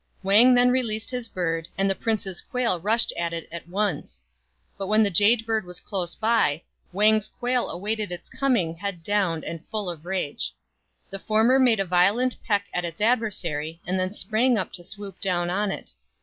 Wang then released his bird and the prince's quail rushed at it at once ; but when the Jade bird was close by, Wang's quail awaited its coming head down and full of rage. The former made a violent peck at its adversary, and then sprung up to swoop down on it.